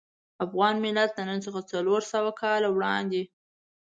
افغان ملت له نن څخه څلور سوه کاله وړاندې.